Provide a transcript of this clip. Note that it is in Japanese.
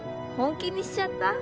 本気にしちゃった？